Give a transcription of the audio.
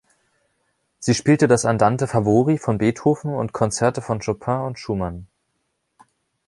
Sie spielte das Andante Favori von Beethoven und Konzerte von Chopin und Schumann.